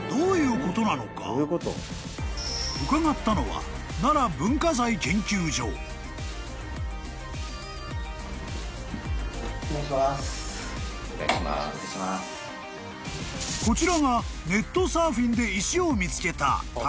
［こちらがネットサーフィンで石を見つけた］